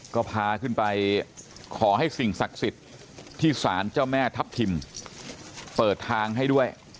ก็พาขึ้นไปขอให้สิ่งศักดิ์สิทธิ์ที่สารเจ้าแม่ทัพทิมเปิดทางให้ด้วย